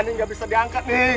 ini nggak bisa diangkat nih